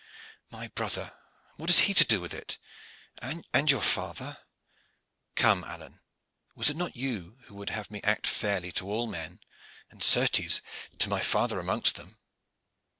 "My brother, what has he to do with it? And your father " "Come, Alleyne, was it not you who would have me act fairly to all men, and, certes, to my father amongst them?"